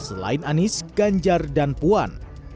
selain anies ganjar dan puan